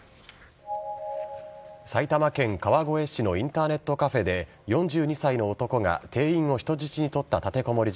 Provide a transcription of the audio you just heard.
埼玉県川越市のインターネットカフェで４２歳の男が店員を人質に取った立てこもり